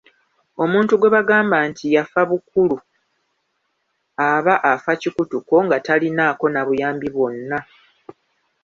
Omuntu gwe bagamba nti yafabukulu aba afa kikutuko nga talinaako na buyambi bwonna.